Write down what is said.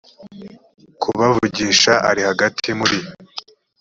kubavugisha ari hagati muri